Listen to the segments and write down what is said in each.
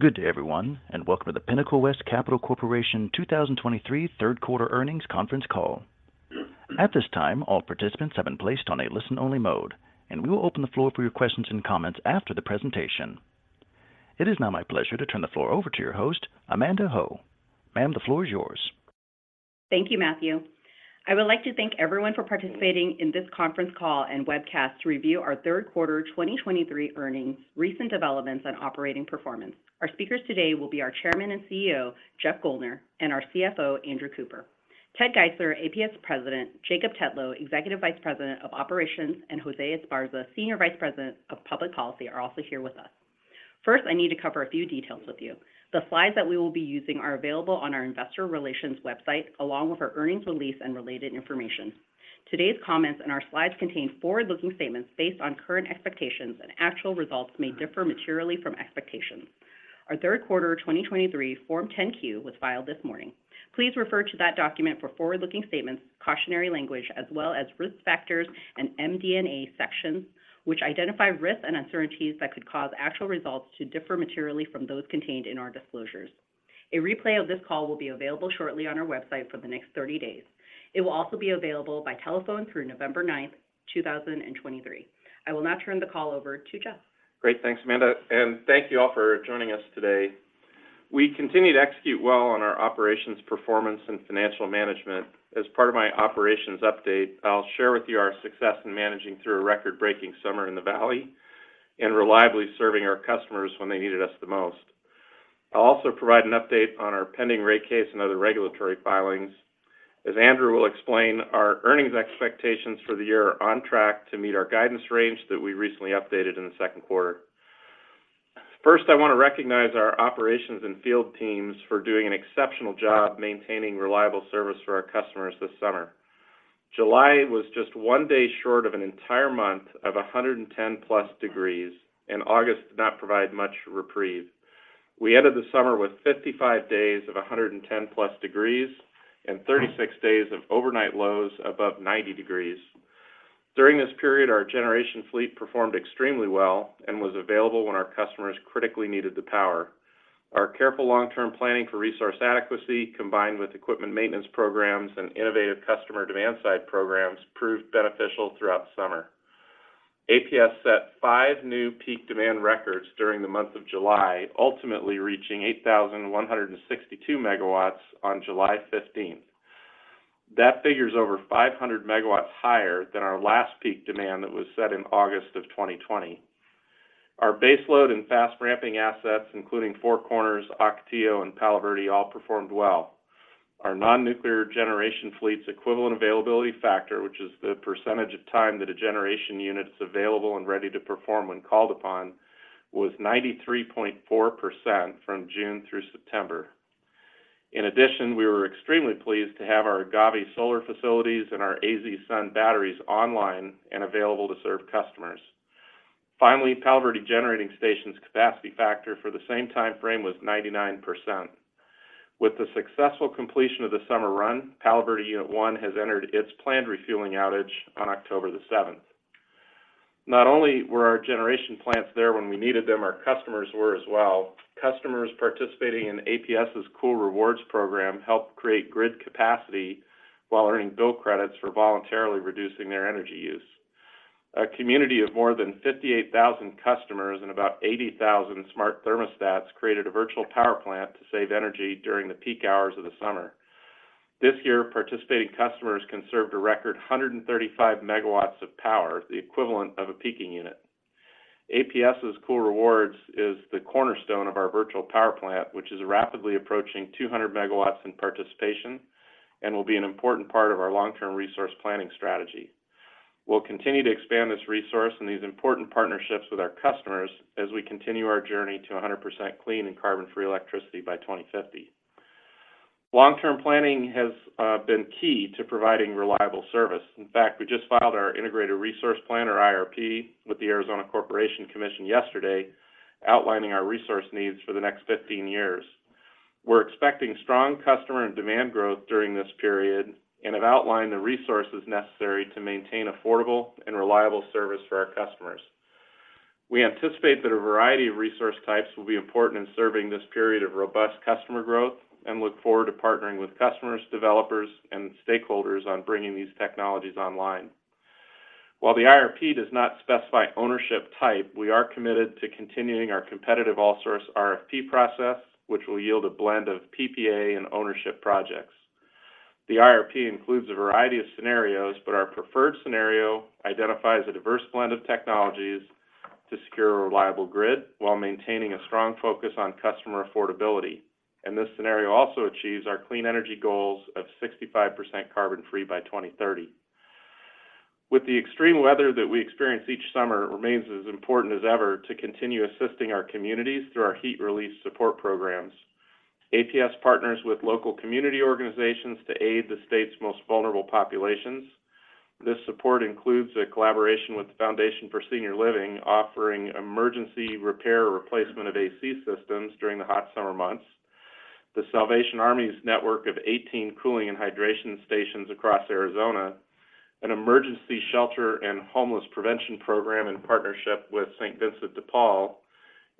Good day, everyone, and welcome to the Pinnacle West Capital Corporation 2023 Third Quarter Earnings Conference Call. At this time, all participants have been placed on a listen-only mode, and we will open the floor for your questions and comments after the presentation. It is now my pleasure to turn the floor over to your host, Amanda Ho. Ma'am, the floor is yours. Thank you, Matthew. I would like to thank everyone for participating in this conference call and webcast to review our third quarter 2023 earnings, recent developments, and operating performance. Our speakers today will be our Chairman and CEO, Jeff Guldner, and our CFO, Andrew Cooper. Ted Geisler, APS President, Jacob Tetlow, Executive Vice President of Operations, and Jose Esparza, Senior Vice President of Public Policy, are also here with us. First, I need to cover a few details with you. The slides that we will be using are available on our investor relations website, along with our earnings release and related information. Today's comments and our slides contain forward-looking statements based on current expectations, and actual results may differ materially from expectations. Our third quarter 2023 Form 10-Q was filed this morning. Please refer to that document for forward-looking statements, cautionary language, as well as risk factors and MD&A sections, which identify risks and uncertainties that could cause actual results to differ materially from those contained in our disclosures. A replay of this call will be available shortly on our website for the next 30 days. It will also be available by telephone through November 9th, 2023. I will now turn the call over to Jeff. Great. Thanks, Amanda, and thank you all for joining us today. We continue to execute well on our operations, performance, and financial management. As part of my operations update, I'll share with you our success in managing through a record-breaking summer in the valley and reliably serving our customers when they needed us the most. I'll also provide an update on our pending rate case and other regulatory filings. As Andrew will explain, our earnings expectations for the year are on track to meet our guidance range that we recently updated in the second quarter. First, I want to recognize our operations and field teams for doing an exceptional job maintaining reliable service for our customers this summer. July was just one day short of an entire month of 110+ degrees, and August did not provide much reprieve. We ended the summer with 55 days of 110+ degrees and 36 days of overnight lows above 90 degrees. During this period, our generation fleet performed extremely well and was available when our customers critically needed the power. Our careful long-term planning for resource adequacy, combined with equipment maintenance programs and innovative customer demand-side programs, proved beneficial throughout the summer. APS set five new peak demand records during the month of July, ultimately reaching 8,162 megawatts on July 15th. That figure is over 500 MW higher than our last peak demand that was set in August of 2020. Our baseload and fast-ramping assets, including Four Corners, Ocotillo, and Palo Verde, all performed well. Our non-nuclear generation fleet's equivalent availability factor, which is the percentage of time that a generation unit is available and ready to perform when called upon, was 93.4% from June through September. In addition, we were extremely pleased to have our Agave Solar facilities and our AZ Sun batteries online and available to serve customers. Finally, Palo Verde Generating Station's capacity factor for the same time frame was 99%. With the successful completion of the summer run, Palo Verde Unit 1 has entered its planned refueling outage on October 7. Not only were our generation plants there when we needed them, our customers were as well. Customers participating in APS's Cool Rewards program helped create grid capacity while earning bill credits for voluntarily reducing their energy use. A community of more than 58,000 customers and about 80,000 smart thermostats created a Virtual Power Plant to save energy during the peak hours of the summer. This year, participating customers conserved a record 135 MW of power, the equivalent of a peaking unit. APS's Cool Rewards is the cornerstone of our Virtual Power Plant, which is rapidly approaching 200 megawatts in participation and will be an important part of our long-term resource planning strategy. We'll continue to expand this resource and these important partnerships with our customers as we continue our journey to 100% clean and carbon-free electricity by 2050. Long-term planning has been key to providing reliable service. In fact, we just filed our Integrated Resource Plan, or IRP, with the Arizona Corporation Commission yesterday, outlining our resource needs for the next 15 years. We're expecting strong customer and demand growth during this period and have outlined the resources necessary to maintain affordable and reliable service for our customers. We anticipate that a variety of resource types will be important in serving this period of robust customer growth and look forward to partnering with customers, developers, and stakeholders on bringing these technologies online. While the IRP does not specify ownership type, we are committed to continuing our competitive all source RFP process, which will yield a blend of PPA and ownership projects. The IRP includes a variety of scenarios, but our preferred scenario identifies a diverse blend of technologies to secure a reliable grid while maintaining a strong focus on customer affordability. This scenario also achieves our clean energy goals of 65% carbon free by 2030. With the extreme weather that we experience each summer, it remains as important as ever to continue assisting our communities through our heat relief support programs. APS partners with local community organizations to aid the state's most vulnerable populations. This support includes a collaboration with the Foundation for Senior Living, offering emergency repair or replacement of AC systems during the hot summer months, The Salvation Army's network of 18 cooling and hydration stations across Arizona, an emergency shelter and homeless prevention program in partnership with Saint Vincent de Paul,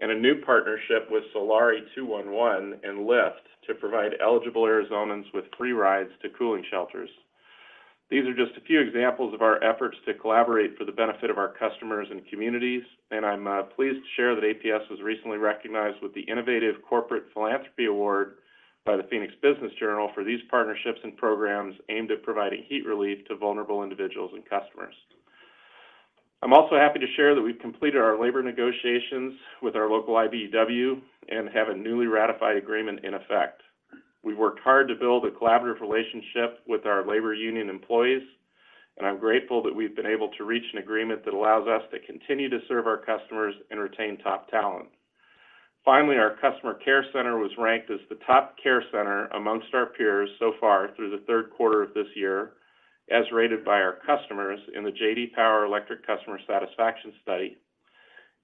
and a new partnership with Solari 211 and Lyft to provide eligible Arizonans with free rides to cooling shelters. These are just a few examples of our efforts to collaborate for the benefit of our customers and communities, and I'm pleased to share that APS was recently recognized with the Innovative Corporate Philanthropy Award by the Phoenix Business Journal for these partnerships and programs aimed at providing heat relief to vulnerable individuals and customers. I'm also happy to share that we've completed our labor negotiations with our local IBEW and have a newly ratified agreement in effect. We've worked hard to build a collaborative relationship with our labor union employees, and I'm grateful that we've been able to reach an agreement that allows us to continue to serve our customers and retain top talent. Finally, our customer care center was ranked as the top care center among our peers so far through the third quarter of this year, as rated by our customers in the J.D. Power Electric Customer Satisfaction study.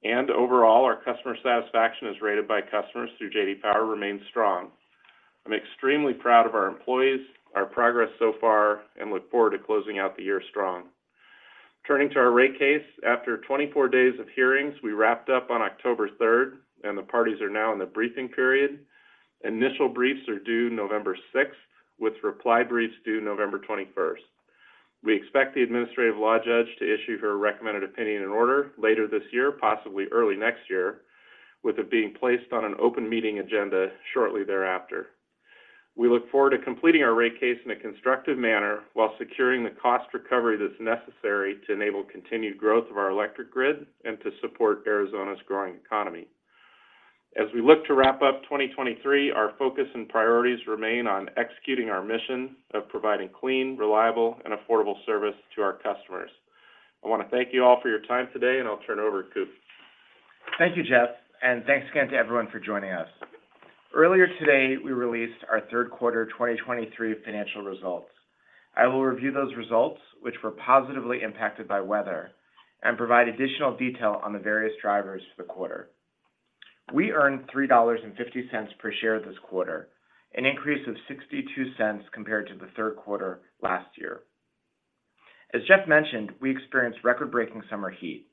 Overall, our customer satisfaction as rated by customers through J.D. Power remains strong. I'm extremely proud of our employees, our progress so far, and look forward to closing out the year strong. Turning to our rate case, after 24 days of hearings, we wrapped up on October 3rd, and the parties are now in the briefing period. Initial briefs are due November 6th, with reply briefs due November 21st. We expect the administrative law judge to issue her recommended opinion and order later this year, possibly early next year, with it being placed on an open meeting agenda shortly thereafter. We look forward to completing our rate case in a constructive manner while securing the cost recovery that's necessary to enable continued growth of our electric grid and to support Arizona's growing economy. As we look to wrap up 2023, our focus and priorities remain on executing our mission of providing clean, reliable, and affordable service to our customers. I want to thank you all for your time today, and I'll turn it over to Cooper. Thank you, Jeff, and thanks again to everyone for joining us. Earlier today, we released our third quarter 2023 financial results. I will review those results, which were positively impacted by weather, and provide additional detail on the various drivers for the quarter. We earned $3.50 per share this quarter, an increase of $0.62 compared to the third quarter last year. As Jeff mentioned, we experienced record-breaking summer heat,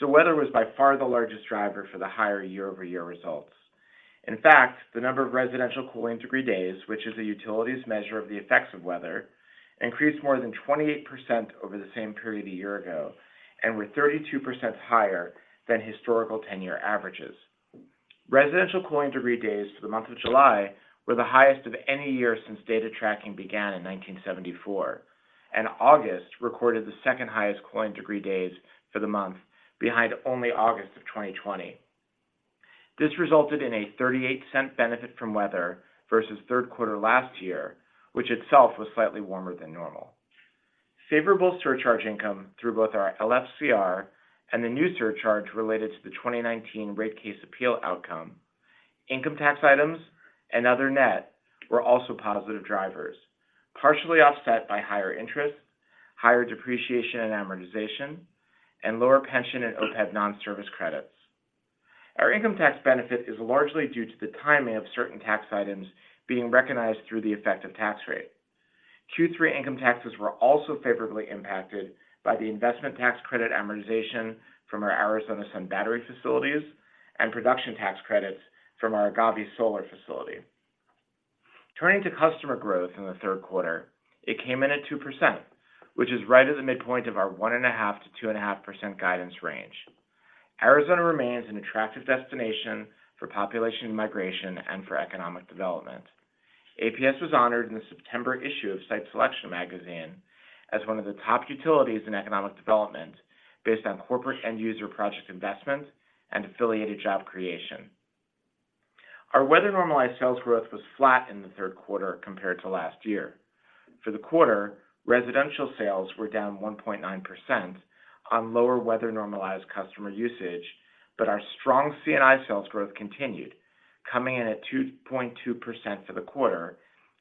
so weather was by far the largest driver for the higher year-over-year results. In fact, the number of residential Cooling Degree Days, which is a utility's measure of the effects of weather, increased more than 28% over the same period a year ago and were 32% higher than historical 10-year averages. Residential Cooling Degree Days for the month of July were the highest of any year since data tracking began in 1974, and August recorded the second highest Cooling Degree Days for the month, behind only August of 2020. This resulted in a $0.38 benefit from weather versus third quarter last year, which itself was slightly warmer than normal. Favorable surcharge income through both our LFCR and the new surcharge related to the 2019 rate case appeal outcome, income tax items and other net were also positive drivers, partially offset by higher interest, higher depreciation and amortization, and lower pension and OPEB non-service credits. Our income tax benefit is largely due to the timing of certain tax items being recognized through the effective tax rate. Q3 income taxes were also favorably impacted by the investment tax credit amortization from our Arizona Sun battery facilities and production tax credits from our Agave Solar facility. Turning to customer growth in the third quarter, it came in at 2%, which is right at the midpoint of our 1.5%-2.5% guidance range. Arizona remains an attractive destination for population migration and for economic development. APS was honored in the September issue of Site Selection magazine as one of the top utilities in economic development based on corporate end-user project investments and affiliated job creation. Our weather-normalized sales growth was flat in the third quarter compared to last year. For the quarter, residential sales were down 1.9% on lower weather-normalized customer usage, but our strong C&I sales growth continued, coming in at 2.2% for the quarter,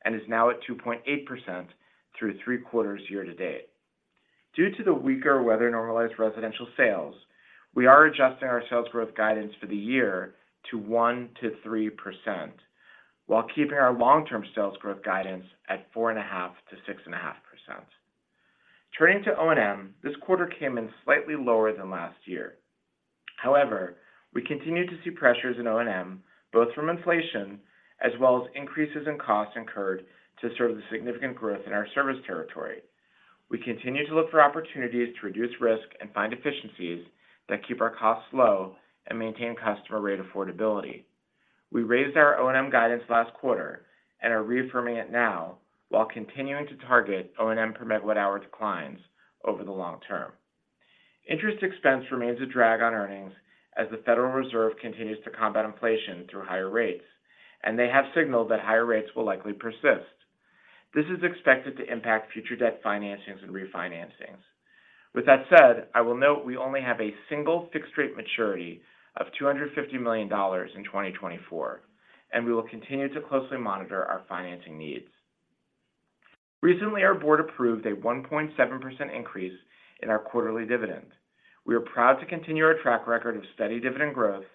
and is now at 2.8% through three quarters year to date. Due to the weaker weather-normalized residential sales, we are adjusting our sales growth guidance for the year to 1%-3%, while keeping our long-term sales growth guidance at 4.5%-6.5%. Turning to O&M, this quarter came in slightly lower than last year. However, we continue to see pressures in O&M, both from inflation as well as increases in costs incurred to serve the significant growth in our service territory. We continue to look for opportunities to reduce risk and find efficiencies that keep our costs low and maintain customer rate affordability. We raised our O&M guidance last quarter and are reaffirming it now while continuing to target O&M per megawatt hour declines over the long term. Interest expense remains a drag on earnings as the Federal Reserve continues to combat inflation through higher rates, and they have signaled that higher rates will likely persist. This is expected to impact future debt financings and refinancings. With that said, I will note we only have a single fixed-rate maturity of $250 million in 2024, and we will continue to closely monitor our financing needs. Recently, our board approved a 1.7% increase in our quarterly dividend. We are proud to continue our track record of steady dividend growth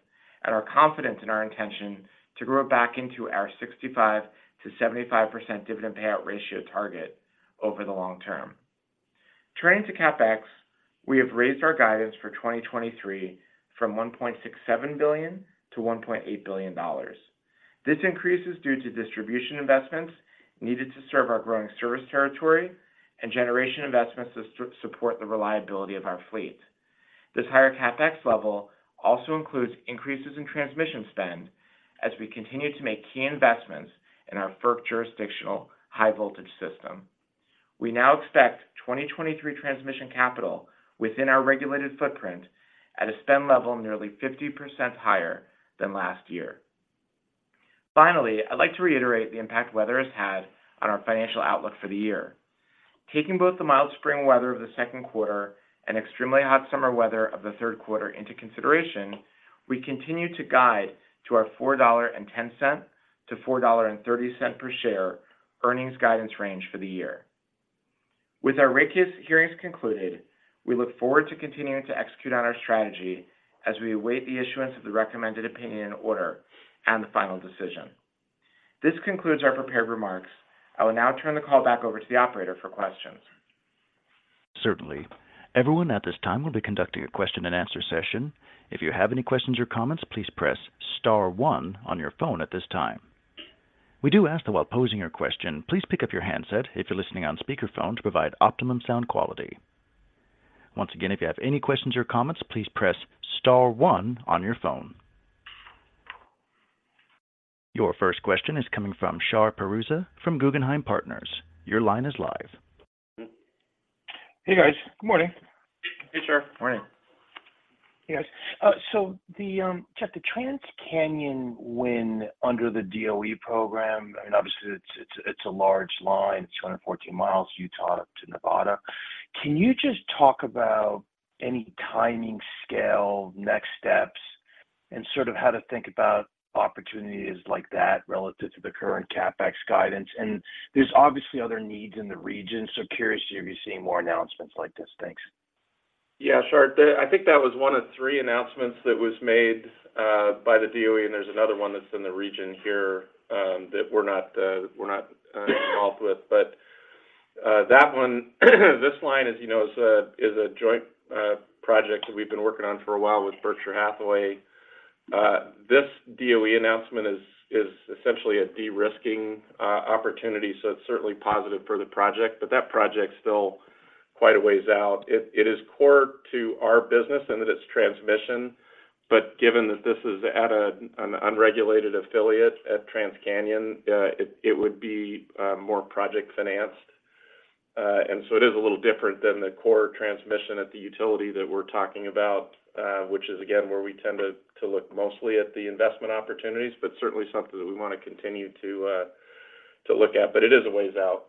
and are confident in our intention to grow it back into our 65%-75% dividend payout ratio target over the long term. Turning to CapEx, we have raised our guidance for 2023 from $1.67 billion to $1.8 billion. This increase is due to distribution investments needed to serve our growing service territory and generation investments to support the reliability of our fleet. This higher CapEx level also includes increases in transmission spend as we continue to make key investments in our FERC jurisdictional high voltage system. We now expect 2023 transmission capital within our regulated footprint at a spend level nearly 50% higher than last year. Finally, I'd like to reiterate the impact weather has had on our financial outlook for the year. Taking both the mild spring weather of the second quarter and extremely hot summer weather of the third quarter into consideration, we continue to guide to our $4.10-$4.30 per share earnings guidance range for the year. With our rate case hearings concluded, we look forward to continuing to execute on our strategy as we await the issuance of the recommended opinion and order and the final decision. This concludes our prepared remarks. I will now turn the call back over to the operator for questions. Certainly. Everyone at this time will be conducting a question and answer session. If you have any questions or comments, please press star one on your phone at this time. We do ask that while posing your question, please pick up your handset if you're listening on speakerphone to provide optimum sound quality. Once again, if you have any questions or comments, please press star one on your phone. Your first question is coming from Shar Pourreza from Guggenheim Partners. Your line is live. Hey, guys. Good morning. Hey, Shar. Morning. Hey, guys. So the TransCanyon win under the DOE program, I mean, obviously, it's, it's a large line, 214 miles, Utah to Nevada. Can you just talk about any timing scale, next steps, and sort of how to think about opportunities like that relative to the current CapEx guidance? And there's obviously other needs in the region, so curious to hear if you're seeing more announcements like this. Thanks. Yeah, Shar, I think that was one of three announcements that was made by the DOE, and there's another one that's in the region here that we're not involved with. But that one, this line, as you know, is a joint project that we've been working on for a while with Berkshire Hathaway. This DOE announcement is essentially a de-risking opportunity, so it's certainly positive for the project, but that project's still quite a ways out. It is core to our business and that it's transmission, but given that this is at an unregulated affiliate at TransCanyon, it would be more project financed. So it is a little different than the core transmission at the utility that we're talking about, which is, again, where we tend to look mostly at the investment opportunities, but certainly something that we want to continue to look at. But it is a ways out.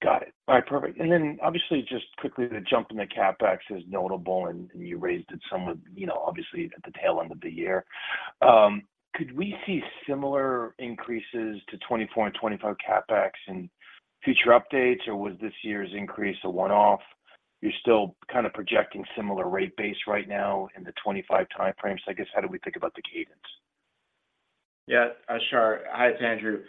Got it. All right, perfect. And then, obviously, just quickly, the jump in the CapEx is notable, and, and you raised it somewhat, you know, obviously at the tail end of the year. Could we see similar increases to 2024 and 2025 CapEx in future updates, or was this year's increase a one-off? You're still kind of projecting similar rate base right now in the 2025 time frame, so I guess, how do we think about the cadence? Yeah, Shar. Hi, it's Andrew.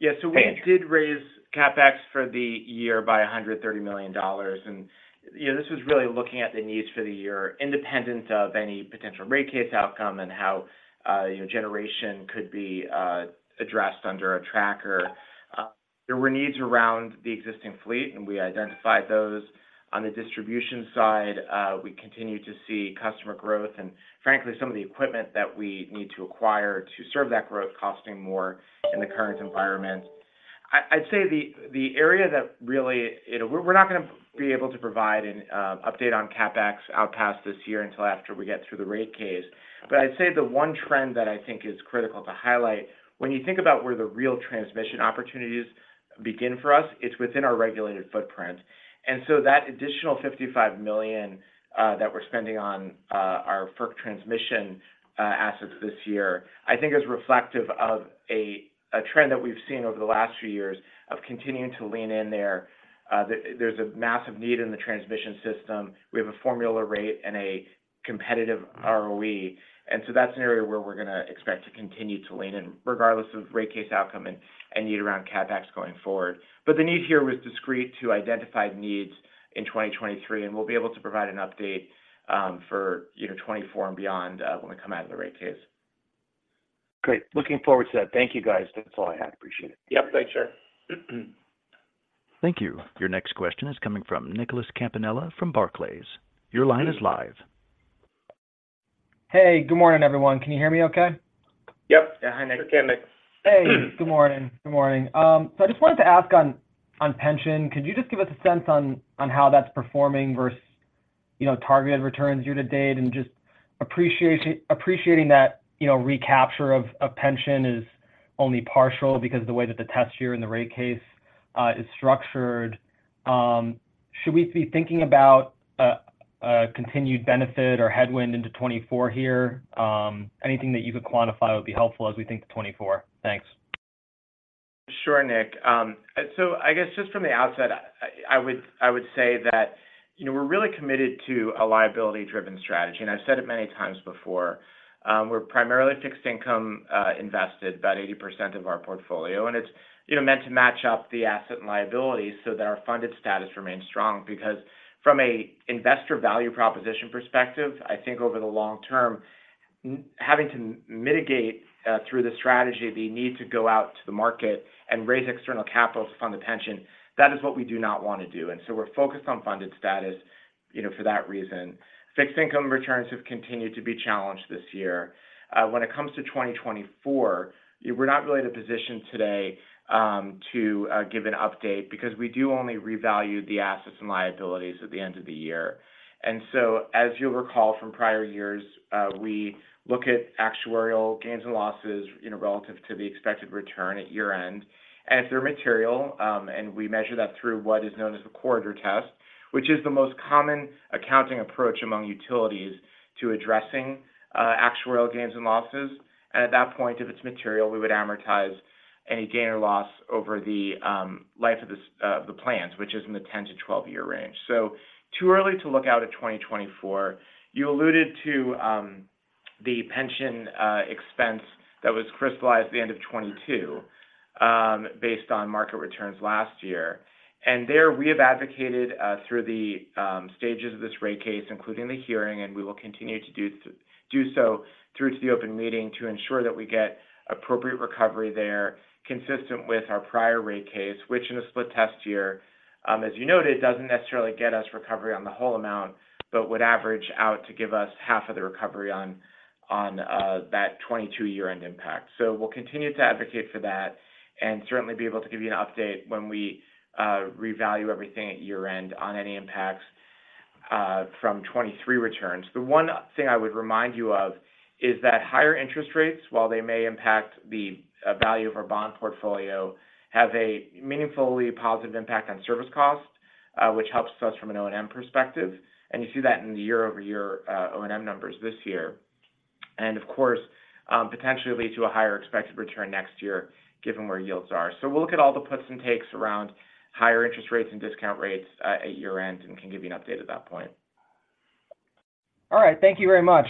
Yeah. Hey, Andrew We did raise CapEx for the year by $130 million, and, you know, this was really looking at the needs for the year, independent of any potential rate case outcome and how your generation could be addressed under a tracker. There were needs around the existing fleet, and we identified those. On the distribution side, we continue to see customer growth, and frankly, some of the equipment that we need to acquire to serve that growth costing more in the current environment. I'd say the area that really you know, we're not going to be able to provide an update on CapEx out past this year until after we get through the rate case. But I'd say the one trend that I think is critical to highlight, when you think about where the real transmission opportunities begin for us, it's within our regulated footprint. And so that additional $55 million that we're spending on our FERC transmission assets this year, I think is reflective of a trend that we've seen over the last few years of continuing to lean in there. There's a massive need in the transmission system. We have a formula rate and a competitive ROE, and so that's an area where we're going to expect to continue to lean in, regardless of rate case outcome and need around CapEx going forward. But the need here was discrete to identified needs in 2023, and we'll be able to provide an update, you know, for 2024 and beyond, when we come out of the rate case. Great. Looking forward to that. Thank you, guys. That's all I had. Appreciate it. Yep. Thanks, Shar. Thank you. Your next question is coming from Nicholas Campanella from Barclays. Your line is live. Hey, good morning, everyone. Can you hear me okay? Yep. Yeah. Hi, Nick. Okay, Nick. Hey, good morning. Good morning. So I just wanted to ask on pension, could you just give us a sense on how that's performing versus, you know, targeted returns year to date, and just appreciating that, you know, recapture of pension is only partial because of the way that the test year and the rate case is structured. Should we be thinking about continued benefit or headwind into 2024 here? Anything that you could quantify would be helpful as we think to 2024. Thanks. Sure, Nick. So I guess just from the outset, I would say that, you know, we're really committed to a liability-driven strategy, and I've said it many times before. We're primarily fixed income invested, about 80% of our portfolio, and it's, you know, meant to match up the asset and liabilities so that our funded status remains strong. Because from an investor value proposition perspective, I think over the long term, having to mitigate through the strategy, the need to go out to the market and raise external capital to fund the pension, that is what we do not want to do. And so we're focused on funded status, you know, for that reason. Fixed income returns have continued to be challenged this year. When it comes to 2024, we're not really in a position today to give an update because we do only revalue the assets and liabilities at the end of the year. And so, as you'll recall from prior years, we look at actuarial gains and losses, you know, relative to the expected return at year-end. And if they're material, and we measure that through what is known as the corridor test, which is the most common accounting approach among utilities to addressing actuarial gains and losses. And at that point, if it's material, we would amortize any gain or loss over the life of the plans, which is in the 10-12 year range. So too early to look out at 2024. You alluded to the pension expense that was crystallized at the end of 2022, based on market returns last year. And there, we have advocated through the stages of this rate case, including the hearing, and we will continue to do so through to the open meeting to ensure that we get appropriate recovery there, consistent with our prior rate case, which in a split test year, as you noted, doesn't necessarily get us recovery on the whole amount, but would average out to give us half of the recovery on that 2022 year-end impact. So we'll continue to advocate for that and certainly be able to give you an update when we revalue everything at year-end on any impacts from 2023 returns. The one thing I would remind you of is that higher interest rates, while they may impact the value of our bond portfolio, have a meaningfully positive impact on service cost, which helps us from an O&M perspective. And you see that in the year-over-year O&M numbers this year. And of course, potentially lead to a higher expected return next year, given where yields are. So we'll look at all the puts and takes around higher interest rates and discount rates at year-end, and can give you an update at that point. All right. Thank you very much.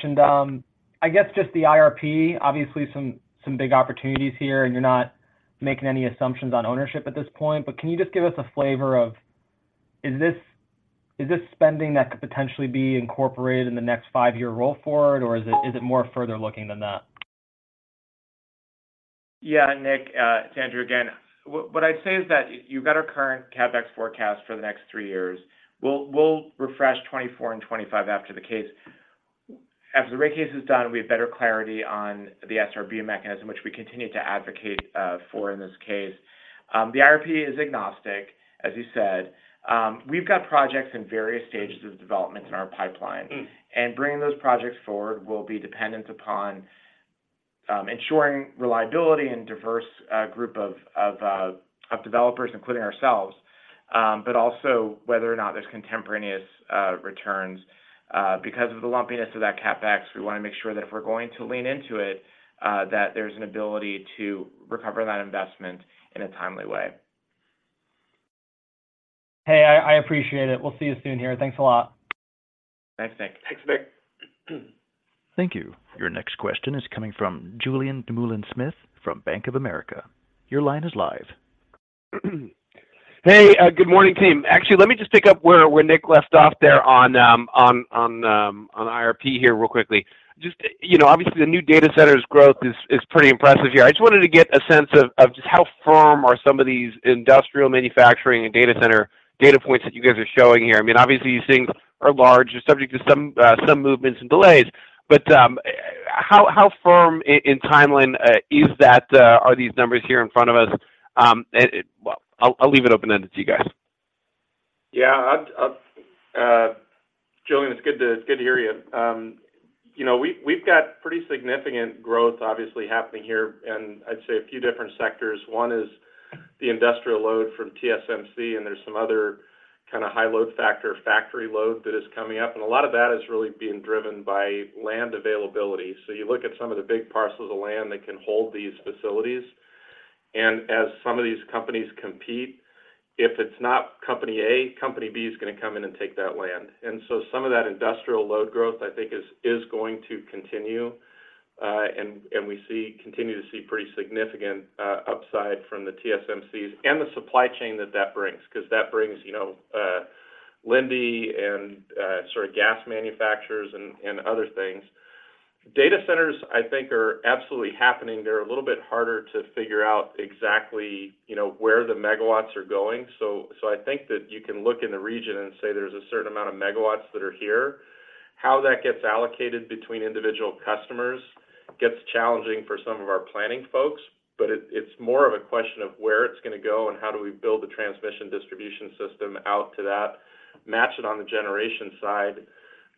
I guess just the IRP, obviously some, some big opportunities here, and you're not making any assumptions on ownership at this point, but can you just give us a flavor of, is this, is this spending that could potentially be incorporated in the next five-year roll forward, or is it, is it more further looking than that? Yeah, Nick, it's Andrew again. What I'd say is that you've got our current CapEx forecast for the next three years. We'll refresh 2024 and 2025 after the case. After the rate case is done, we have better clarity on the SRB mechanism, which we continue to advocate for in this case. The IRP is agnostic, as you said. We've got projects in various stages of development in our pipeline, and bringing those projects forward will be dependent upon ensuring reliability and diverse group of developers, including ourselves, but also whether or not there's contemporaneous returns. Because of the lumpiness of that CapEx, we want to make sure that if we're going to lean into it, that there's an ability to recover that investment in a timely way. Hey, I appreciate it. We'll see you soon here. Thanks a lot. Thanks, Nick. Thanks, Nick. Thank you. Your next question is coming from Julien Dumoulin-Smith from Bank of America. Your line is live. Hey, good morning, team. Actually, let me just pick up where Nick left off there on IRP here real quickly. Just, you know, obviously, the new data centers growth is pretty impressive here. I just wanted to get a sense of just how firm are some of these industrial manufacturing and data center data points that you guys are showing here? I mean, obviously, these things are large. They're subject to some movements and delays, but, how firm in timeline is that, are these numbers here in front of us? And, well, I'll leave it open-ended to you guys. Yeah, I'd Julien, it's good to hear you. You know, we've got pretty significant growth obviously happening here, and I'd say a few different sectors. One is the industrial load from TSMC, and there's some other kind of high load factor, factory load that is coming up, and a lot of that is really being driven by land availability. So you look at some of the big parcels of land that can hold these facilities, and as some of these companies compete, if it's not company A, company B is going to come in and take that land. And so some of that industrial load growth, I think is going to continue, and we continue to see pretty significant upside from the TSMCs and the supply chain that that brings, because that brings, you know, Linde and sort of gas manufacturers and other things. Data centers, I think, are absolutely happening. They're a little bit harder to figure out exactly, you know, where the megawatts are going. So I think that you can look in the region and say there's a certain amount of megawatts that are here. How that gets allocated between individual customers gets challenging for some of our planning folks, but it's more of a question of where it's going to go and how do we build the transmission distribution system out to that, match it on the generation side.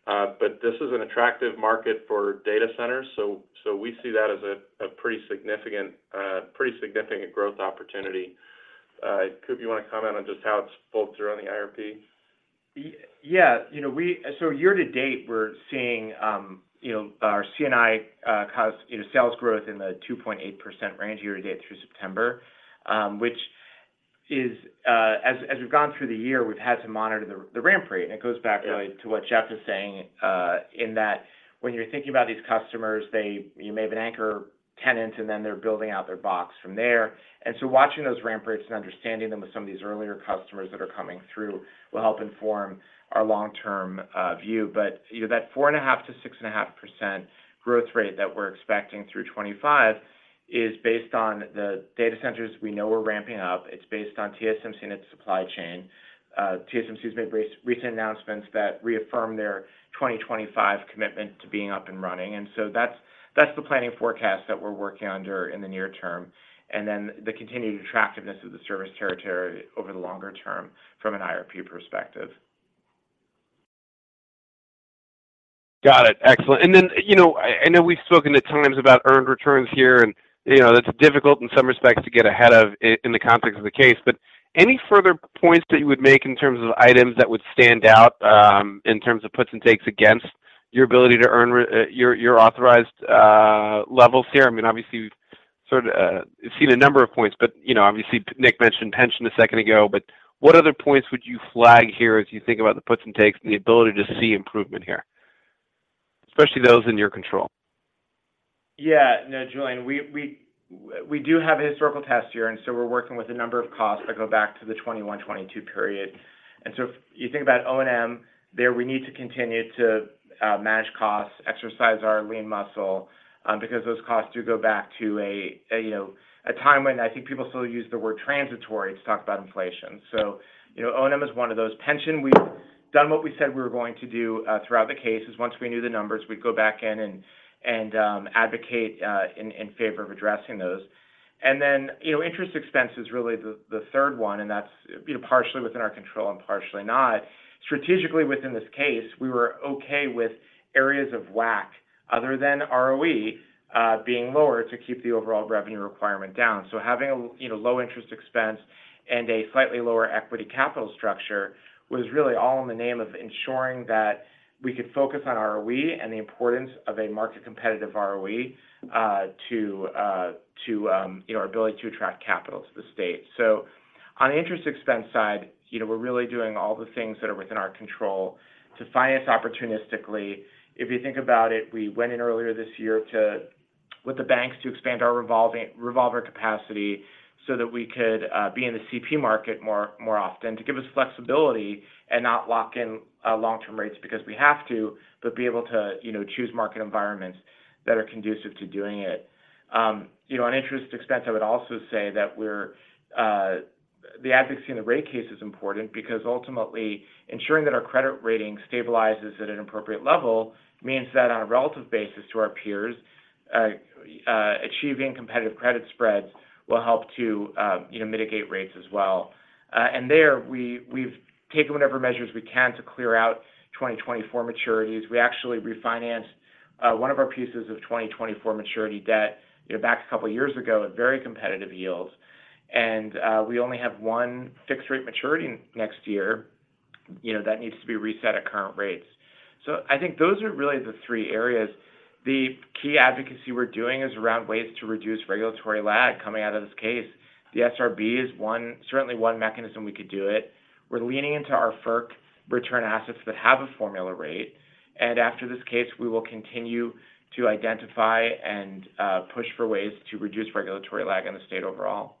But this is an attractive market for data centers, so we see that as a pretty significant growth opportunity. Cooper, you want to comment on just how it's bolstered on the IRP? Yeah, you know, we so year to date, we're seeing, you know, our C&I customer sales growth in the 2.8% range year to date through September. Which is, as we've gone through the year, we've had to monitor the ramp rate. And it goes back to what Jeff was saying, in that when you're thinking about these customers, they, you may have an anchor tenant, and then they're building out their box from there. And so watching those ramp rates and understanding them with some of these earlier customers that are coming through will help inform our long-term view. But, you know, that 4.5%-6.5% growth rate that we're expecting through 2025 is based on the data centers we know we're ramping up. It's based on TSMC and its supply chain. TSMC's made recent announcements that reaffirm their 2025 commitment to being up and running. And so that's, that's the planning forecast that we're working under in the near term, and then the continued attractiveness of the service territory over the longer term from an IRP perspective. Got it. Excellent. And then, you know, I know we've spoken at times about earned returns here, and, you know, that's difficult in some respects to get ahead of in the context of the case. But any further points that you would make in terms of items that would stand out in terms of puts and takes against your ability to earn your authorized levels here? I mean, obviously, we've sort of seen a number of points, but, you know, obviously, Nick mentioned pension a second ago. But what other points would you flag here as you think about the puts and takes and the ability to see improvement here, especially those in your control? Yeah. No, Julien, we do have a historical test here, and so we're working with a number of costs that go back to the 2021, 2022 period. And so if you think about O&M, there, we need to continue to manage costs, exercise our lean muscle, because those costs do go back to a, you know, a time when I think people still use the word transitory to talk about inflation. So, you know, O&M is one of those. Pension, we've done what we said we were going to do throughout the cases. Once we knew the numbers, we'd go back in and advocate in favor of addressing those. And then, you know, interest expense is really the third one, and that's, you know, partially within our control and partially not. Strategically, within this case, we were okay with areas of WACC other than ROE being lower to keep the overall revenue requirement down. So having a, you know, low interest expense and a slightly lower equity capital structure was really all in the name of ensuring that we could focus on ROE and the importance of a market competitive ROE to you know, our ability to attract capital to the state. So on the interest expense side, you know, we're really doing all the things that are within our control to finance opportunistically. If you think about it, we went in earlier this year to with the banks to expand our revolving revolver capacity so that we could be in the CP market more, more often to give us flexibility and not lock in long-term rates because we have to, but be able to, you know, choose market environments that are conducive to doing it. You know, on interest expense, I would also say that we're the advocacy in the rate case is important because ultimately, ensuring that our credit rating stabilizes at an appropriate level means that on a relative basis to our peers, achieving competitive credit spreads will help to, you know, mitigate rates as well. And there, we've taken whatever measures we can to clear out 2024 maturities. We actually refinanced one of our pieces of 2024 maturity debt, you know, back a couple of years ago at very competitive yields, and we only have one fixed rate maturity next year, you know, that needs to be reset at current rates. So I think those are really the three areas. The key advocacy we're doing is around ways to reduce regulatory lag coming out of this case. The SRB is one, certainly one mechanism we could do it. We're leaning into our FERC return assets that have a formula rate, and after this case, we will continue to identify and push for ways to reduce regulatory lag in the state overall.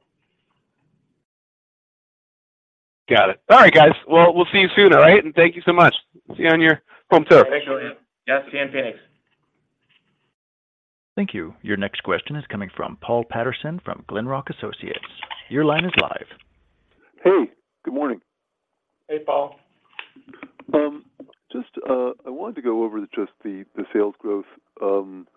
Got it. All right, guys. Well, we'll see you soon, all right? And thank you so much. See you on your home turf. Thanks, Julien. Yeah, see you in Phoenix. Thank you. Your next question is coming from Paul Patterson from Glenrock Associates. Your line is live. Hey, good morning. Hey, Paul. Just, I wanted to go over just the, the sales growth, and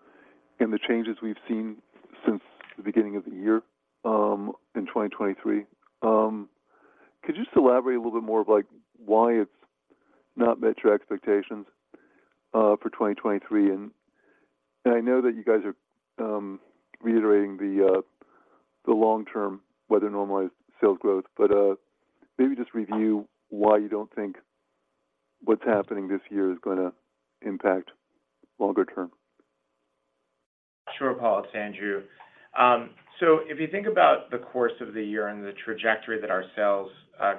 the changes we've seen since the beginning of the year, in 2023. Could you just elaborate a little bit more of, like, why it's not met your expectations, for 2023? I know that you guys are, reiterating the, the long-term weather normalized sales growth, but, maybe just review why you don't think what's happening this year is gonna impact longer term. Sure, Paul, it's Andrew. So if you think about the course of the year and the trajectory that our sales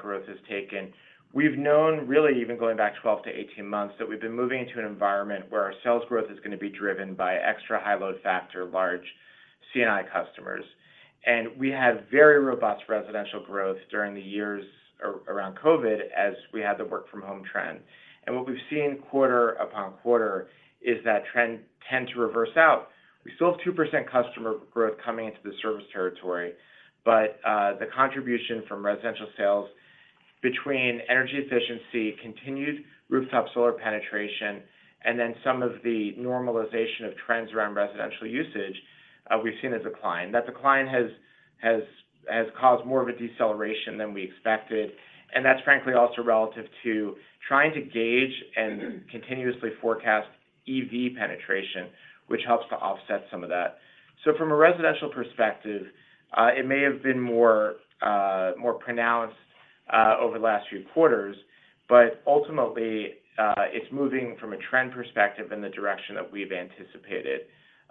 growth has taken, we've known, really, even going back 12-18 months, that we've been moving into an environment where our sales growth is gonna be driven by extra high load factor, large CNI customers. And we had very robust residential growth during the years around COVID, as we had the work from home trend. And what we've seen quarter upon quarter is that trend tend to reverse out. We still have 2% customer growth coming into the service territory, but the contribution from residential sales between energy efficiency, continued rooftop solar penetration, and then some of the normalization of trends around residential usage, we've seen as a decline. That decline has caused more of a deceleration than we expected, and that's frankly also relative to trying to gauge and continuously forecast EV penetration, which helps to offset some of that. So from a residential perspective, it may have been more pronounced over the last few quarters, but ultimately, it's moving from a trend perspective in the direction that we've anticipated.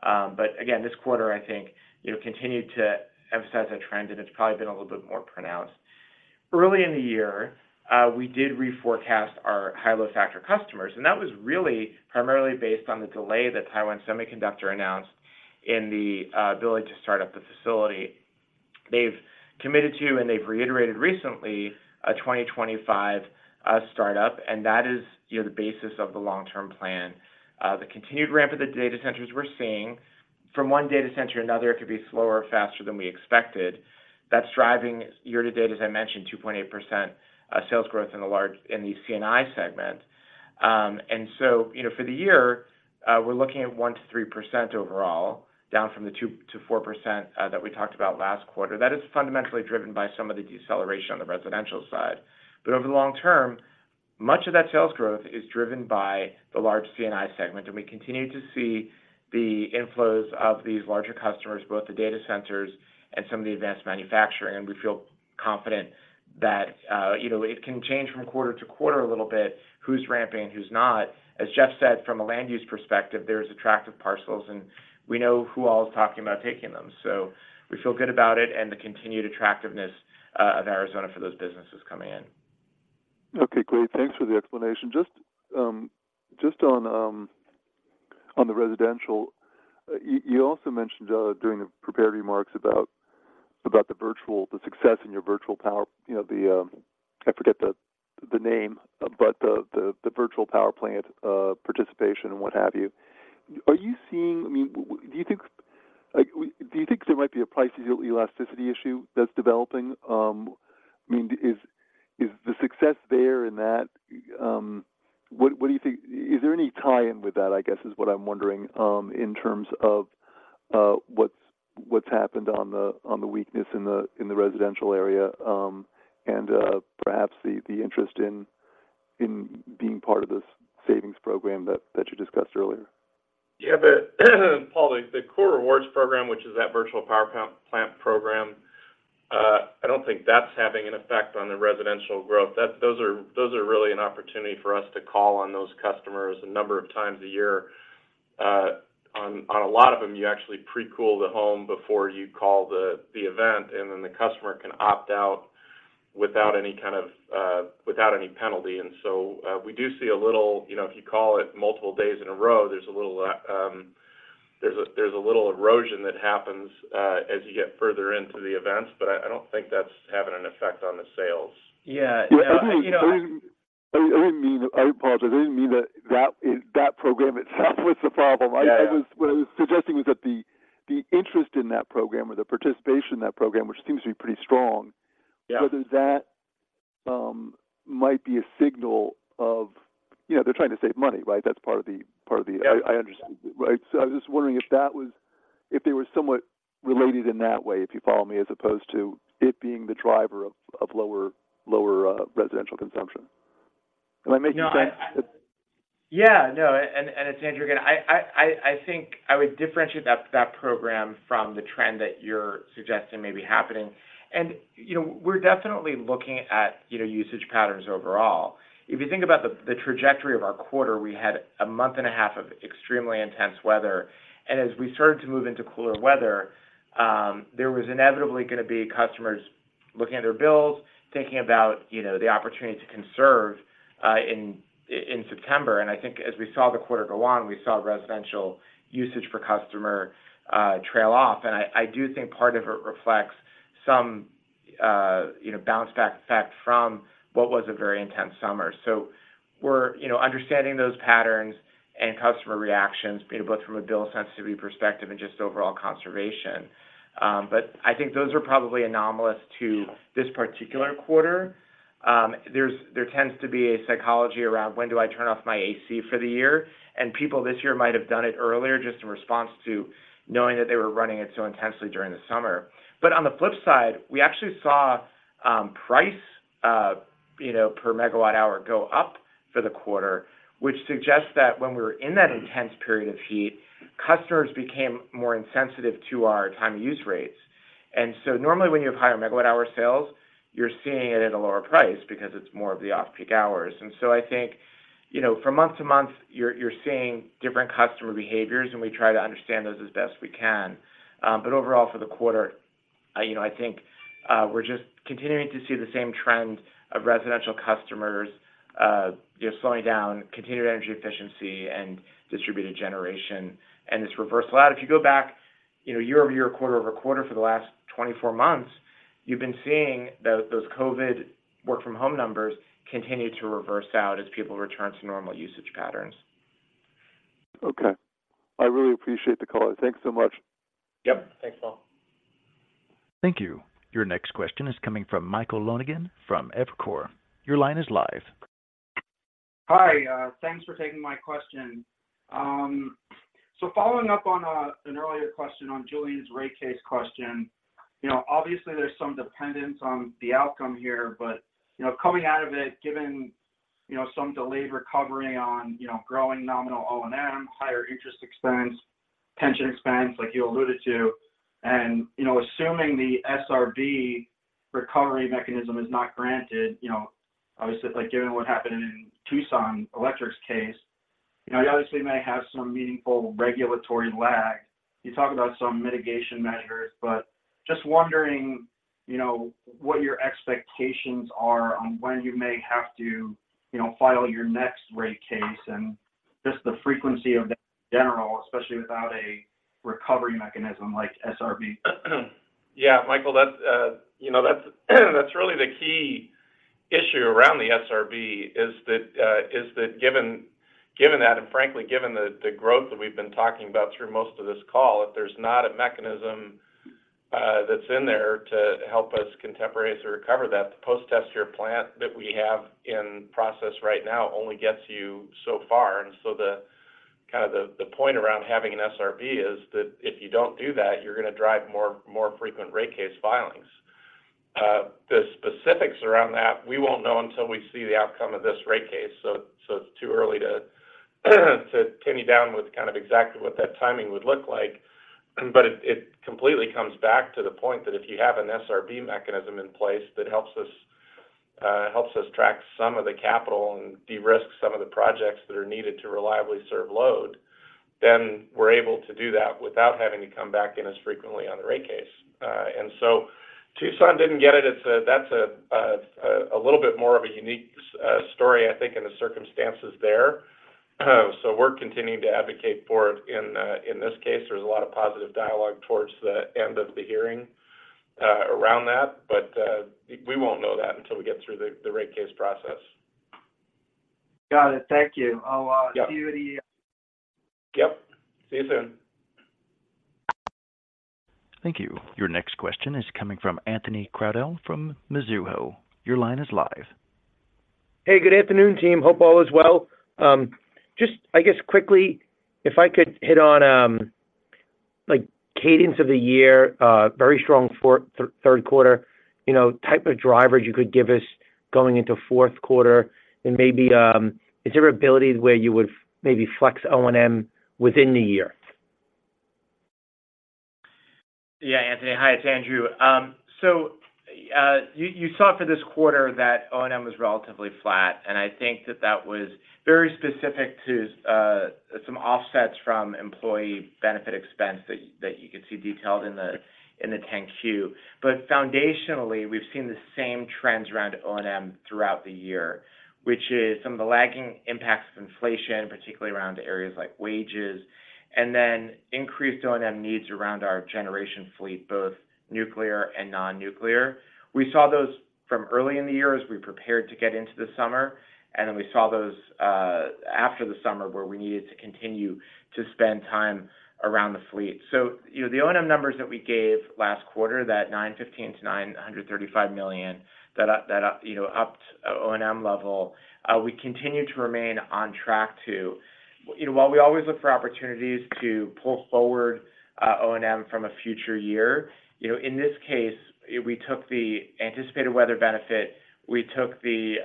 But again, this quarter, I think, you know, continued to emphasize that trend, and it's probably been a little bit more pronounced. Early in the year, we did reforecast our high-low factor customers, and that was really primarily based on the delay that Taiwan Semiconductor announced in the ability to start up the facility. They've committed to, and they've reiterated recently, a 2025 startup, and that is, you know, the basis of the long-term plan. The continued ramp of the data centers we're seeing, from one data center to another, it could be slower or faster than we expected. That's driving year to date, as I mentioned, 2.8% sales growth in the large in the C&I segment. And so, you know, for the year, we're looking at 1%-3% overall, down from the 2%-4% that we talked about last quarter. That is fundamentally driven by some of the deceleration on the residential side. But over the long term, much of that sales growth is driven by the large C&I segment, and we continue to see the inflows of these larger customers, both the data centers and some of the advanced manufacturing. We feel confident that, you know, it can change from quarter to quarter a little bit, who's ramping, who's not. As Jeff said, from a land use perspective, there's attractive parcels, and we know who all is talking about taking them. We feel good about it and the continued attractiveness of Arizona for those businesses coming in. Okay, great. Thanks for the explanation. Just on the residential, you also mentioned during the prepared remarks about the success in your Virtual Power, you know, I forget the name, but the Virtual Power Plant participation and what have you. Are you seeing, I mean, do you think, like, do you think there might be a price elasticity issue that's developing? I mean, is the success there in that. What do you think. Is there any tie-in with that, I guess, is what I'm wondering, in terms of what's happened on the weakness in the residential area, and perhaps the interest in being part of this savings program that you discussed earlier? Yeah, Paul, the Cool Rewards program, which is that Virtual Power Plant program, I don't think that's having an effect on the residential growth. Those are really an opportunity for us to call on those customers a number of times a year. On a lot of them, you actually pre-cool the home before you call the event, and then the customer can opt out without any kind of penalty. And so, we do see a little, you know, if you call it multiple days in a row, there's a little erosion that happens as you get further into the events, but I don't think that's having an effect on the sales. Yeah. You know. I didn't mean. I apologize. I didn't mean that program itself was the problem. Yeah, yeah. What I was suggesting was that the interest in that program or the participation in that program, which seems to be pretty strong. Yeah Whether that, might be a signal of, you know, they're trying to save money, right? That's part of the, part of the. Yeah. I understand. Right. So I was just wondering if that was, if they were somewhat related in that way, if you follow me, as opposed to it being the driver of lower residential consumption. Am I making sense? No, yeah, no, and it's Andrew again. I think I would differentiate that program from the trend that you're suggesting may be happening. And, you know, we're definitely looking at, you know, usage patterns overall. If you think about the trajectory of our quarter, we had a month and a half of extremely intense weather. And as we started to move into cooler weather, there was inevitably going to be customers looking at their bills, thinking about, you know, the opportunity to conserve in September. And I think as we saw the quarter go on, we saw residential usage for customer trail off. And I do think part of it reflects some, you know, bounce back effect from what was a very intense summer. So we're, you know, understanding those patterns and customer reactions, both from a bill sensitivity perspective and just overall conservation. But I think those are probably anomalous to this particular quarter. There tends to be a psychology around when do I turn off my AC for the year? And people this year might have done it earlier, just in response to knowing that they were running it so intensely during the summer. But on the flip side, we actually saw, you know, price per megawatt hour go up for the quarter, which suggests that when we were in that intense period of heat, customers became more insensitive to our time use rates. And so normally, when you have higher megawatt hour sales, you're seeing it at a lower price because it's more of the off-peak hours. And so I think, you know, from month to month, you're seeing different customer behaviors, and we try to understand those as best we can. But overall, for the quarter, you know, I think, we're just continuing to see the same trend of residential customers just slowing down, continued energy efficiency and distributed generation, and this reversal out. If you go back, you know, year-over-year, quarter-over-quarter for the last 24 months, you've been seeing those COVID work from home numbers continue to reverse out as people return to normal usage patterns. Okay. I really appreciate the call. Thanks so much. Yep. Thanks, Paul. Thank you. Your next question is coming from Michael Lonergan from Evercore. Your line is live. Hi, thanks for taking my question. So following up on an earlier question on Julian's rate case question, you know, obviously there's some dependence on the outcome here, but, you know, coming out of it, given, you know, some delayed recovery on, you know, growing nominal O&M, higher interest expense, pension expense, like you alluded to, and, you know, assuming the SRB recovery mechanism is not granted, you know, obviously, like given what happened in Tucson Electric's case, you know, you obviously may have some meaningful regulatory lag. You talk about some mitigation measures, but just wondering, you know, what your expectations are on when you may have to, you know, file your next rate case and just the frequency of that in general, especially without a recovery mechanism like SRB. Yeah, Michael, that's, you know, that's really the key issue around the SRB, is that given that, and frankly, given the growth that we've been talking about through most of this call, if there's not a mechanism that's in there to help us contemporize or recover that, the posttest year plan that we have in process right now only gets you so far. And so the point around having an SRB is that if you don't do that, you're going to drive more frequent rate case filings. The specifics around that, we won't know until we see the outcome of this rate case. So it's too early to pin you down with kind of exactly what that timing would look like. But it, it completely comes back to the point that if you have an SRB mechanism in place that helps us, helps us track some of the capital and de-risk some of the projects that are needed to reliably serve load, then we're able to do that without having to come back in as frequently on the rate case. And so Tucson didn't get it. It's a, that's a, a little bit more of a unique story, I think, in the circumstances there. So we're continuing to advocate for it in this case. There's a lot of positive dialogue towards the end of the hearing, around that, but, we won't know that until we get through the rate case process. Got it. Thank you. Yep. See you. Yep. See you soon. Thank you. Your next question is coming from Anthony Crowdell from Mizuho. Your line is live. Hey, good afternoon, team. Hope all is well. Just I guess quickly, if I could hit on, like, cadence of the year, very strong for third quarter, you know, type of drivers you could give us going into fourth quarter and maybe, is there ability where you would maybe flex O&M within the year? Yeah, Anthony. Hi, it's Andrew. So, you, you saw for this quarter that O&M was relatively flat, and I think that that was very specific to some offsets from employee benefit expense that you, that you could see detailed in the 10-Q. But foundationally, we've seen the same trends around O&M throughout the year, which is some of the lagging impacts of inflation, particularly around areas like wages, and then increased O&M needs around our generation fleet, both nuclear and non-nuclear. We saw those from early in the year as we prepared to get into the summer, and then we saw those after the summer, where we needed to continue to spend time around the fleet. So you know, the O&M numbers that we gave last quarter, that $915 million-$935 million, you know, upped O&M level, we continue to remain on track to. You know, while we always look for opportunities to pull forward O&M from a future year, you know, in this case, we took the anticipated weather benefit, we took the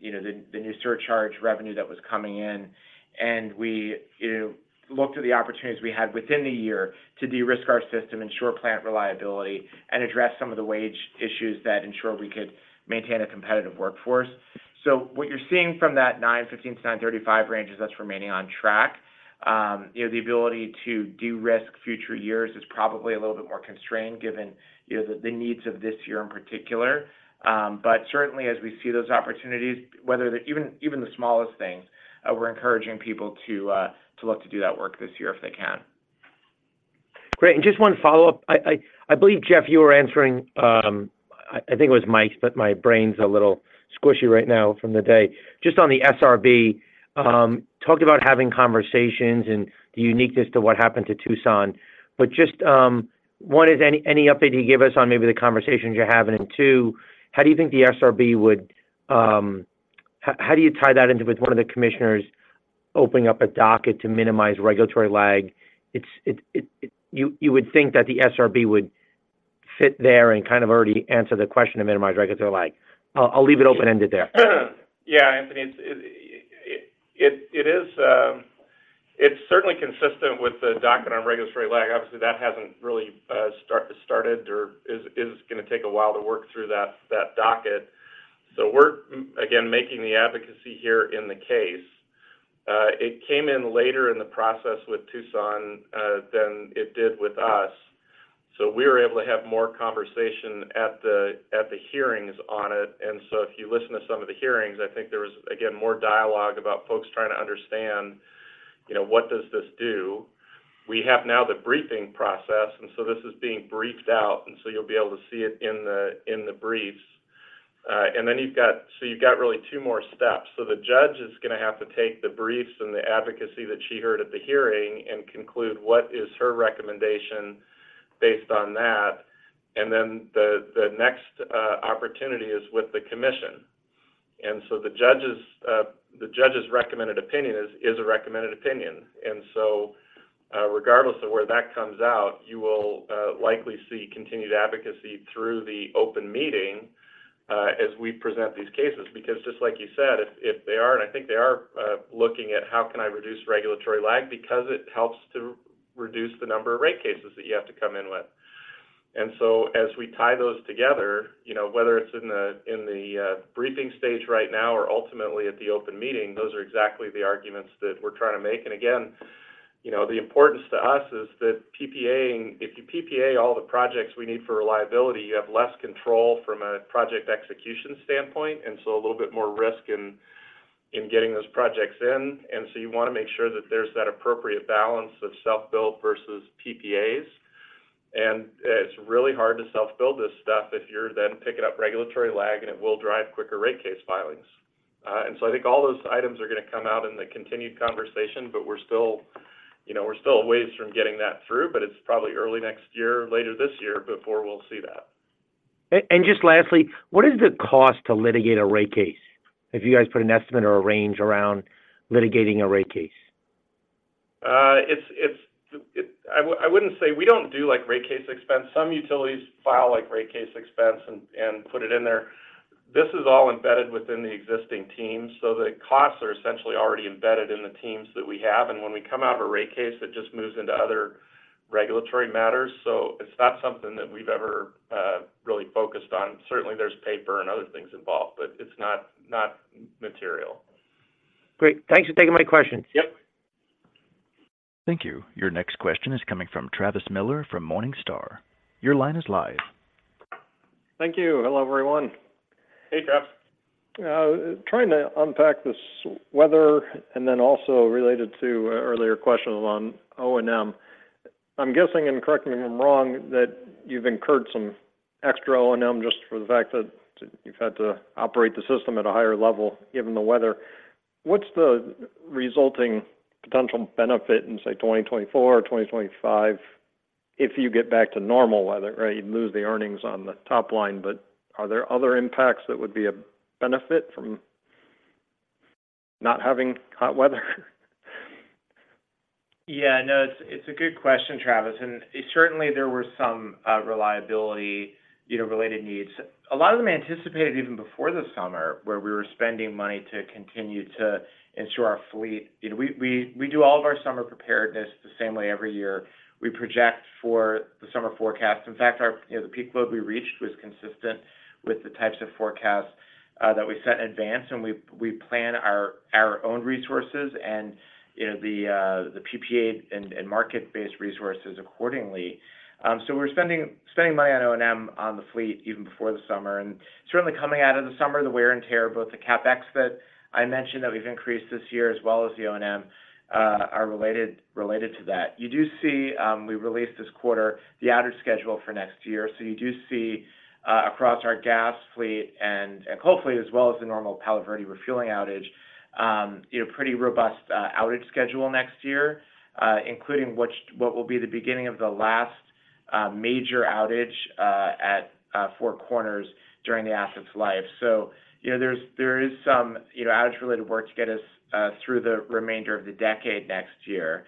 new surcharge revenue that was coming in, and we looked at the opportunities we had within the year to de-risk our system, ensure plant reliability, and address some of the wage issues that ensured we could maintain a competitive workforce. So what you're seeing from that $915 million-$935 million range is that's remaining on track. You know, the ability to de-risk future years is probably a little bit more constrained, given, you know, the needs of this year in particular. But certainly as we see those opportunities, whether they're even the smallest things, we're encouraging people to look to do that work this year if they can. Great. And just one follow-up. I believe, Jeff, you were answering, I think it was Mike, but my brain's a little squishy right now from the day. Just on the SRB, talked about having conversations and the uniqueness to what happened to Tucson. But just, one, is any update you can give us on maybe the conversations you're having? And two, how do you think the SRB would, how do you tie that into with one of the commissioners opening up a docket to minimize regulatory lag? You would think that the SRB would fit there and kind of already answer the question to minimize regulatory lag. I'll leave it open-ended there. Yeah, Anthony, it is. It's certainly consistent with the docket on regulatory lag. Obviously, that hasn't really started or is going to take a while to work through that docket. So we're, again, making the advocacy here in the case. It came in later in the process with Tucson than it did with us, so we were able to have more conversation at the hearings on it. And so if you listen to some of the hearings, I think there was, again, more dialogue about folks trying to understand, you know, what does this do? We have now the briefing process, and so this is being briefed out, and so you'll be able to see it in the briefs. And then so you've got really two more steps. So the judge is going to have to take the briefs and the advocacy that she heard at the hearing and conclude what is her recommendation based on that. Then the next opportunity is with the commission. And so the judge's recommended opinion is a recommended opinion. And so, regardless of where that comes out, you will likely see continued advocacy through the open meeting as we present these cases, because just like you said, if they are, and I think they are, looking at how can I reduce regulatory lag, because it helps to reduce the number of rate cases that you have to come in with. And so as we tie those together, you know, whether it's in the briefing stage right now or ultimately at the open meeting, those are exactly the arguments that we're trying to make. And again, you know, the importance to us is that PPA, if you PPA all the projects we need for reliability, you have less control from a project execution standpoint, and so a little bit more risk in getting those projects in. And so you want to make sure that there's that appropriate balance of self-build versus PPAs. And it's really hard to self-build this stuff if you're then picking up regulatory lag, and it will drive quicker rate case filings. And so I think all those items are going to come out in the continued conversation, but we're still, you know, we're still a ways from getting that through, but it's probably early next year, later this year, before we'll see that. Just lastly, what is the cost to litigate a rate case? Have you guys put an estimate or a range around litigating a rate case? I wouldn't say. We don't do, like, rate case expense. Some utilities file, like, rate case expense and put it in there. This is all embedded within the existing teams, so the costs are essentially already embedded in the teams that we have. When we come out of a rate case, it just moves into other regulatory matters. So it's not something that we've ever really focused on. Certainly, there's paper and other things involved, but it's not material. Great. Thanks for taking my questions. Yep. Thank you. Your next question is coming from Travis Miller from Morningstar. Your line is live. Thank you. Hello, everyone. Hey, Travis. Trying to unpack this weather and then also related to an earlier question on O&M. I'm guessing, and correct me if I'm wrong, that you've incurred some extra O&M just for the fact that you've had to operate the system at a higher level, given the weather. What's the resulting potential benefit in, say, 2024 or 2025 if you get back to normal weather, right? You'd lose the earnings on the top line, but are there other impacts that would be a benefit from not having hot weather? Yeah, no, it's a good question, Travis, and certainly there were some reliability, you know, related needs. A lot of them anticipated even before the summer, where we were spending money to continue to ensure our fleet. You know, we do all of our summer preparedness the same way every year. We project for the summer forecast. In fact, our, you know, the peak load we reached was consistent with the types of forecasts that we set in advance, and we plan our own resources and, you know, the PPA and market-based resources accordingly. So we're spending money on O&M on the fleet even before the summer. Certainly coming out of the summer, the wear and tear, both the CapEx that I mentioned that we've increased this year, as well as the O&M, are related to that. You do see, we released this quarter, the outage schedule for next year. So you do see, across our gas fleet and coal fleet, as well as the normal Palo Verde refueling outage, you know, pretty robust outage schedule next year, including what will be the beginning of the last major outage at Four Corners during the asset's life. So, you know, there is some, you know, outage-related work to get us through the remainder of the decade next year.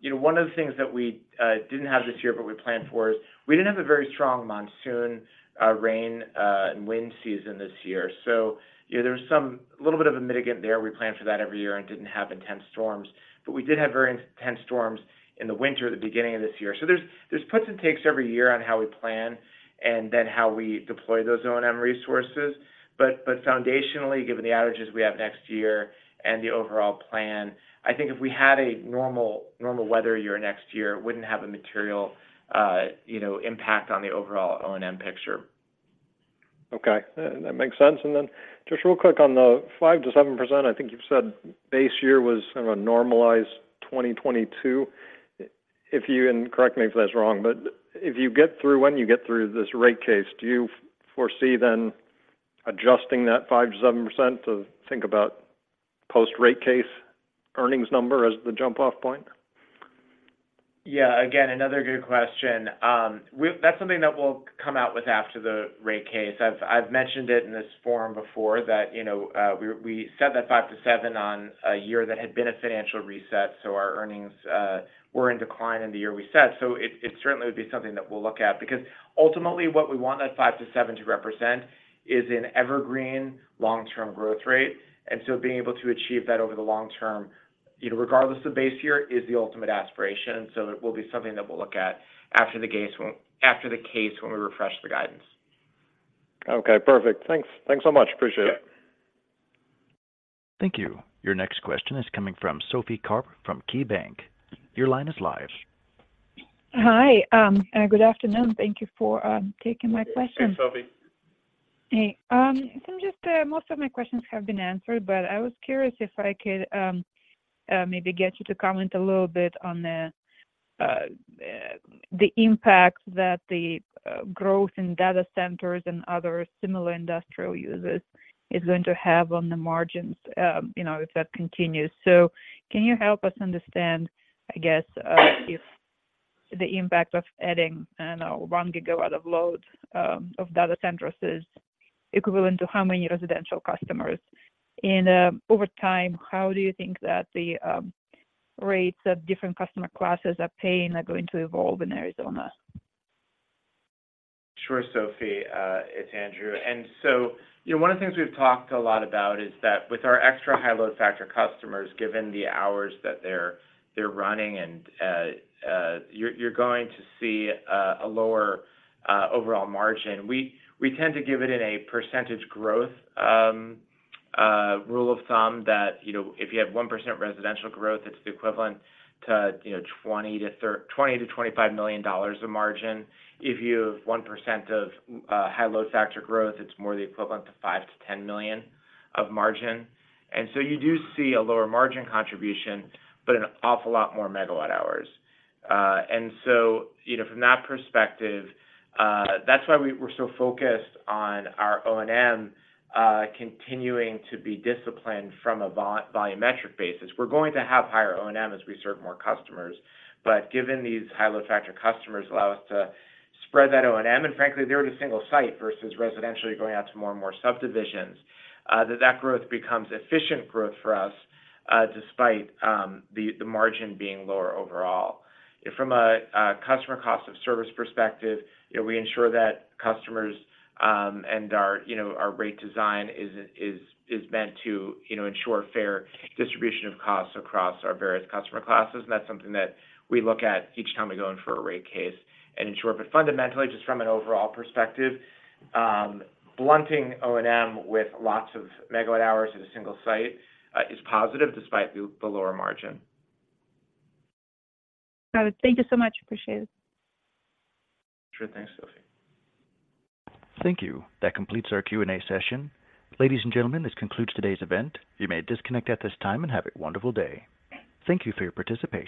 You know, one of the things that we didn't have this year, but we planned for is, we didn't have a very strong monsoon rain and wind season this year. So, you know, there was some a little bit of a mitigant there. We planned for that every year and didn't have intense storms, but we did have very intense storms in the winter, the beginning of this year. So there's puts and takes every year on how we plan and then how we deploy those O&M resources. But foundationally, given the outages we have next year and the overall plan, I think if we had a normal weather year next year, it wouldn't have a material, you know, impact on the overall O&M picture. Okay. That makes sense. And then just real quick on the 5%-7%, I think you've said base year was a normalized 2022. If you, and correct me if that's wrong, but if you get through, when you get through this rate case, do you foresee then adjusting that 5%-7% to think about post-rate case earnings number as the jump-off point? Yeah, again, another good question. We've, that's something that we'll come out with after the rate case. I've mentioned it in this forum before that, you know, we said that five to seven on a year that had been a financial reset, so our earnings were in decline in the year we set. So it certainly would be something that we'll look at, because ultimately, what we want that five to seven to represent is an evergreen long-term growth rate. And so being able to achieve that over the long term, you know, regardless of base year, is the ultimate aspiration. So it will be something that we'll look at after the case, when we refresh the guidance. Okay, perfect. Thanks. Thanks so much. Appreciate it. Yep. Thank you. Your next question is coming from Sophie Karp from KeyBanc. Your line is live. Hi, good afternoon. Thank you for taking my question. Hey, Sophie. Hey, so just, most of my questions have been answered, but I was curious if I could, maybe get you to comment a little bit on the, the impact that the growth in data centers and other similar industrial users is going to have on the margins, you know, if that continues. So can you help us understand, I guess, if the impact of adding, I don't know, 1 GW of load, of data centers is equivalent to how many residential customers? And, over time, how do you think that the rates of different customer classes are paying are going to evolve in Arizona? Sure, Sophie, it's Andrew. And so, you know, one of the things we've talked a lot about is that with our extra high load factor customers, given the hours that they're running, and, you're going to see a lower overall margin. We tend to give it in a percentage growth rule of thumb that, you know, if you have 1% residential growth, it's the equivalent to, you know, $20 million-$25 million of margin. If you have 1% of high load factor growth, it's more the equivalent to $5 million-$10 million of margin. And so you do see a lower margin contribution, but an awful lot more megawatt hours. And so, you know, from that perspective, that's why we're so focused on our O&M, continuing to be disciplined from a volumetric basis. We're going to have higher O&M as we serve more customers, but given these high load factor customers allow us to spread that O&M, and frankly, they're at a single site versus residentially going out to more and more subdivisions, that growth becomes efficient growth for us, despite the margin being lower overall. From a customer cost of service perspective, you know, we ensure that customers and our rate design is meant to ensure fair distribution of costs across our various customer classes. And that's something that we look at each time we go in for a rate case. In short, but fundamentally, just from an overall perspective, blunting O&M with lots of megawatt hours at a single site is positive despite the lower margin. Got it. Thank you so much. Appreciate it. Sure thing, Sophie. Thank you. That completes our Q&A session. Ladies and gentlemen, this concludes today's event. You may disconnect at this time, and have a wonderful day. Thank you for your participation.